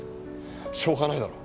しょうがないだろ。